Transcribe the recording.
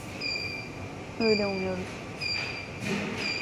Öyle umuyoruz.